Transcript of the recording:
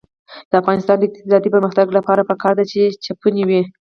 د افغانستان د اقتصادي پرمختګ لپاره پکار ده چې چپنې وي.